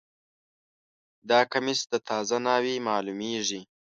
دا کمیس د تازه ناوې معلومیږي